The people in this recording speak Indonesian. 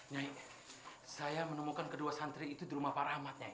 nyai saya menemukan kedua santri itu di rumah pak rahmat nyai